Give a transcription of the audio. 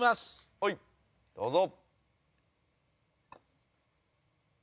はいどうぞ。